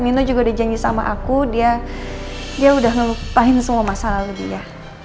mino juga udah janji sama aku dia udah ngelupain semua masalah lo dia